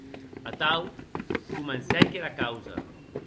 Atau comencèc era causa.